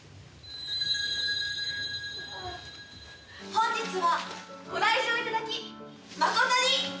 本日はご来場頂き誠に。